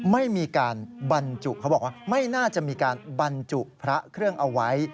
ไม่มีการบรรจุเขาบอกว่าไม่น่าจะมีการบรรจุพระเครื่องเอาไว้